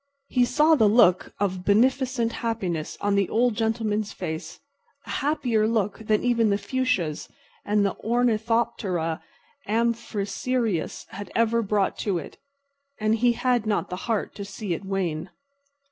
He saw the look of beneficent happiness on the Old Gentleman's face—a happier look than even the fuchsias and the ornithoptera amphrisius had ever brought to it—and he had not the heart to see it wane.